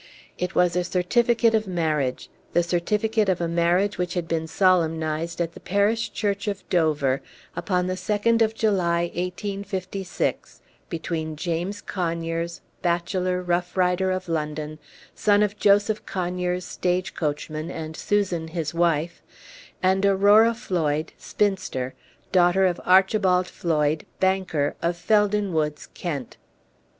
It was a certificate of marriage the certificate of a marriage which had been solemnized at the parish church of Dover upon the 2d of July, 1856, between James Conyers, bachelor, rough rider, of London, son of Joseph Conyers, stage coachman, and Susan, his wife, and Aurora Floyd, spinster, daughter of Archibald Floyd, banker, of Felden Woods, Kent.